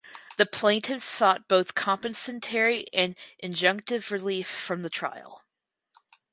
The plaintiffs sought both compensatory and injunctive relief from the trial.